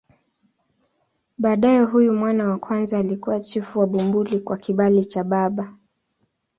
Baadaye huyu mwana wa kwanza alikuwa chifu wa Bumbuli kwa kibali cha baba.